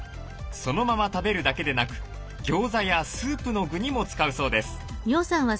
そのまま食べるだけでなくギョーザやスープの具にも使うそうです。